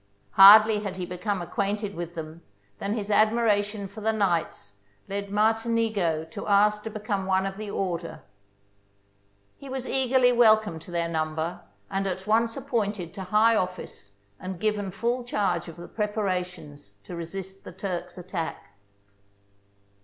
Hardly had he become acquainted with them than his admiration for the knights led Martinigo to ask to become one of the order. He was eagerly welcomed to their number, and at once appointed THE BOOK OF FAMOUS SIEGES to high office and given full charge of the prepara tions to resist the Turks' attack.